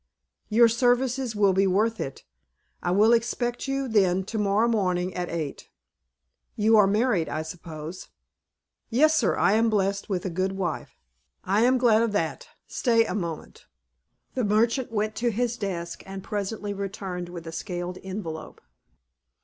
"Your services will be worth it. I will expect you, then, to morrow morning at eight. You are married, I suppose?" "Yes, sir. I am blessed with a good wife." "I am glad of that. Stay a moment." The merchant went to his desk, and presently returned with a scaled envelope.